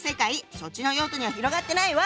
そっちの用途には広がってないわ！